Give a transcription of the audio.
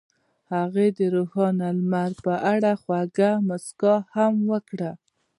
هغې د روښانه لمر په اړه خوږه موسکا هم وکړه.